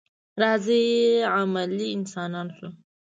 راځئ عملي انسانان شو.